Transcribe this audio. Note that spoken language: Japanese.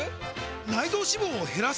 内臓脂肪を減らす！？